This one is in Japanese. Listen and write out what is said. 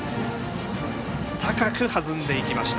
高く弾んでいきました。